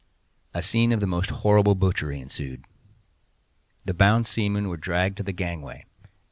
A scene of the most horrible butchery ensued. The bound seamen were dragged to the gangway.